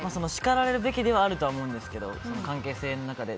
叱られるべきだとは思うんですけど関係性の中で。